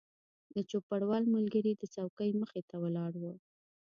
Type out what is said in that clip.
د چوپړوال ملګری د څوکۍ مخې ته ولاړ و.